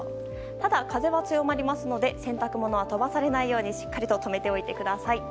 ただ風は強まりますので洗濯物は飛ばされないようにしっかりととめておいてください。